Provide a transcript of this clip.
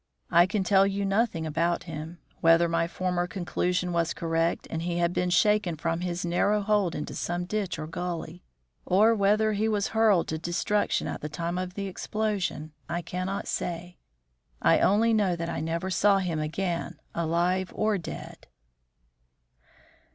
I can tell you nothing about him. Whether my former conclusion was correct and he had been shaken from his narrow hold into some ditch or gully, or whether he was hurled to destruction at the time of the explosion, I cannot say. I only know that I never saw him again alive or dead.